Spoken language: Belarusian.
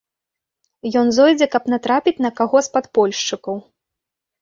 Ён зойдзе, каб натрапіць на каго з падпольшчыкаў.